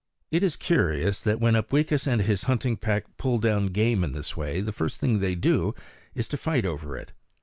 It is curious that when Upweekis and his hunting pack pull down game in this way the first thing they do is to fight over it.